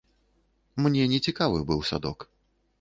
Мне нецікавы быў садок.